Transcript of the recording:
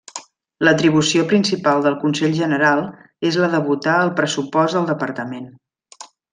L'atribució principal del Consell General és la de votar el pressupost del departament.